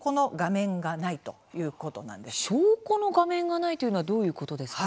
証拠の画面がないそれはどういうことですか。